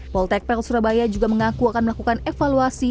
politeknik pelayaran surabaya juga mengaku akan melakukan evaluasi